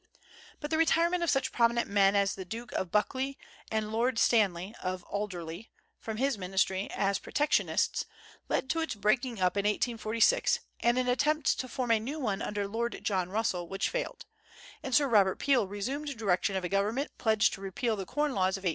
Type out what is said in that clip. But the retirement of such prominent men as the Duke of Buccleuch and Lord Stanley (of Alderley) from his ministry, as protectionists, led to its breaking up in 1846 and an attempt to form a new one under Lord John Russell, which failed; and Sir Robert Peel resumed direction of a government pledged to repeal the corn laws of 1815.